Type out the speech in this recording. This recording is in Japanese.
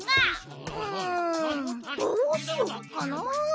うんどうしよっかな。